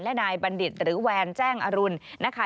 และนายบัณฑิตหรือแวนแจ้งอรุณนะคะ